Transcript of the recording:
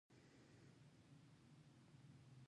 دوی لومړی اتیوس برمته کړی و